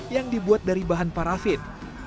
yang dibuat dari bahan parafin